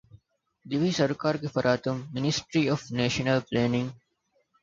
ދިވެހި ސަރުކާރުގެ ފަރާތުން މިނިސްޓްރީ އޮފް ނޭޝަނަލް ޕްލޭނިންގ،